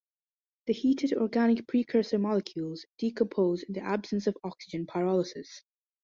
The heated organic precursor molecules decompose in the absence of oxygen - pyrolysis.